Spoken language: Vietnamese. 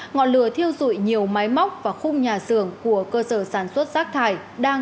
ngọn lửa thiêu dụi nhiều máy móc và khung nhà xưởng của cơ sở sản xuất rác thải đang